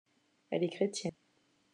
Elle est chrétienne.